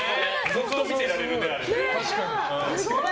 ずっと見てられるね、これ。